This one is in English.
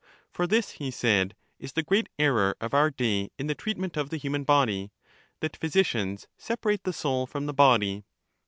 For this," he said, " is the great error of our day in the treatment of the human body, that physicians separate the soul from the body."